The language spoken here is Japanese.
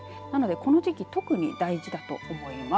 この時期特に大事だと思います。